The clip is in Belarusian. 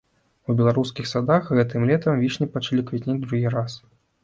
У беларускіх садах гэтым летам вішні пачалі квітнець другі раз.